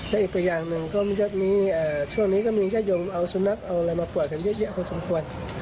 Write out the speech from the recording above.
และอีกตัวอย่างหนึ่งช่วงนี้ก็มีญาติโยมเอาสุนัขเอาอะไรมาปล่อยกันเยอะแยะพอสมควร